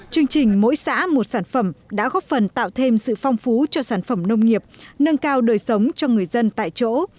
chương trình mỗi xã một sản phẩm đã góp phần tạo thêm sự phong phú cho sản phẩm nông nghiệp nâng cao đời sống cho người dân tại chỗ